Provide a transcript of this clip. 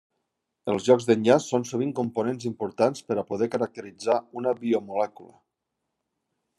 Els llocs d'enllaç són sovint components importants per a poder caracteritzar una biomolècula.